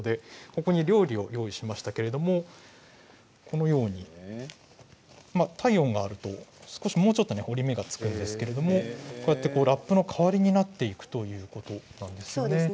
ここに料理を用意しましたけれども体温があると少しもうちょっと折り目がつくんですけれどもねラップの代わりになっていくということなんですね。